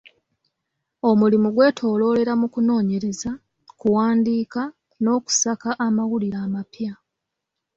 Omulimu gwetoloolera mu kunoonyereza, kuwandiika, n'okusaka amawulire amapya.